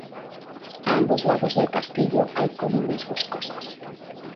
A ambos lados del castillo hay colinas boscosas.